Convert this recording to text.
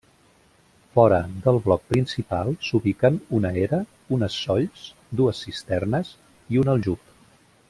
Fora del bloc principal s’ubiquen una era, unes solls, dues cisternes i un aljub.